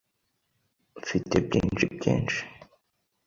Mfite byinshi byinshi.